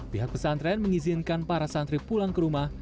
pihak pesantren mengizinkan para santri pulang ke rumah